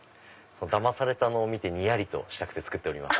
だまされたのを見てにやりとしたくて作ってます。